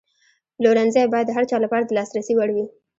پلورنځی باید د هر چا لپاره د لاسرسي وړ وي.